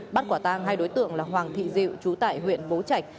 bắt quả tàng hai đối tượng là hoàng thị diệu chú tại huyện bố trạch